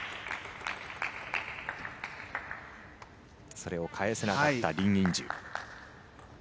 それを返せなかったリン・インジュ。